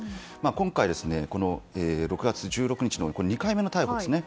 今回、６月１６日の２回目の逮捕ですね。